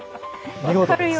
お見事です。